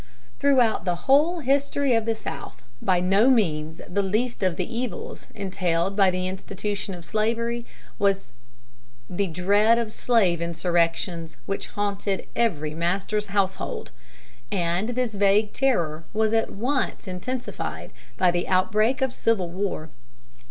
Throughout the whole history of the South, by no means the least of the evils entailed by the institution of slavery was the dread of slave insurrections which haunted every master's household; and this vague terror was at once intensified by the outbreak of civil war.